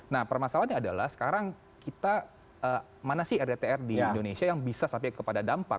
nah permasalahannya adalah sekarang kita mana sih rdtr di indonesia yang bisa sampai kepada dampak